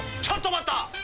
ちょっと待った！